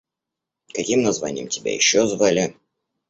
Каким названьем тебя еще звали?